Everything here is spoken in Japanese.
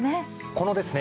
このですね